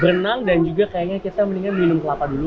berenang dan juga kayaknya kita mendingan minum kelapa dulu